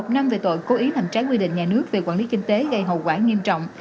một năm về tội cố ý làm trái quy định nhà nước về quản lý kinh tế gây hậu quả nghiêm trọng